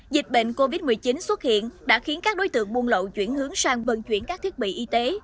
dịch bệnh covid một mươi chín xuất hiện đã khiến các đối tượng buôn lậu chuyển hướng sang vận chuyển các thiết bị y tế